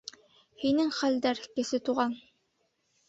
Һинең хәлдәр, Кесе Туған?